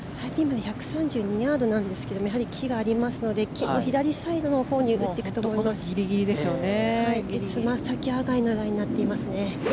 今１３２ヤードなんですがやはり木がありますので木の左サイドのほうにもうギリギリですね。